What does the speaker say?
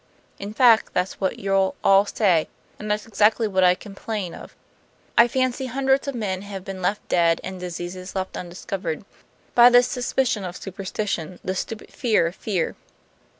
In fact, that's what you'll all say; and that's exactly what I complain of. I fancy hundreds of men have been left dead and diseases left undiscovered, by this suspicion of superstition, this stupid fear of fear.